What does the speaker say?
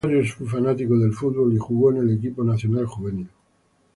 Rosário es un fanático del fútbol y jugó en el equipo nacional juvenil.